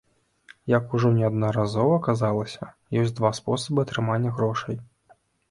Як ужо неаднаразова казалася, ёсць два спосабы атрымання грошай.